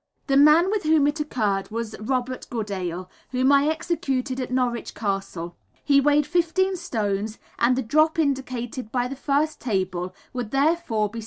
The man with whom it occurred was Robert Goodale, whom I executed at Norwich Castle. He weighed 15 stones, and the drop indicated by the first table would therefore be 7 ft.